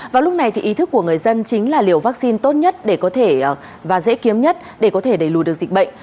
và lúc này thì ý thức của người dân chính là liều vaccine tốt nhất và dễ kiếm nhất để có thể đẩy lùi được dịch bệnh